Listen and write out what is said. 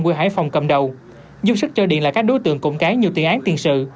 quê hải phòng cầm đầu dùng sức cho điện là các đối tượng cụng cái nhiều tiền án tiền sự